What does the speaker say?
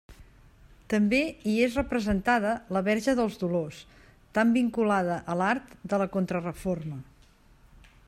També hi és representada la Verge dels Dolors, tan vinculada a l'art de la contra-reforma.